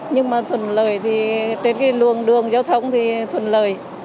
nhưng mà thuần lời thì trên cái luồng đường giao thông thì thuần lời